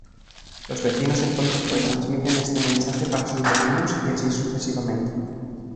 Los vecinos entonces retransmiten este mensaje para sus vecinos y así sucesivamente.